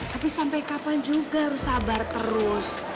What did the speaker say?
tapi sampai kapan juga harus sabar terus